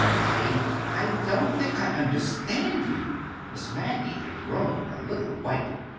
_ I—I don't think I understand you." Miss Maggie had grown a little white.